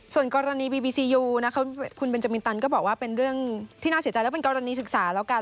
ส่วนกรณีบีบีซียูคุณเบนจามินตันก็บอกว่าเป็นเรื่องที่น่าเสียใจและเป็นกรณีศึกษาแล้วกัน